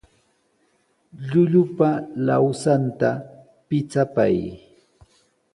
Llullupa lawsanta pichapay.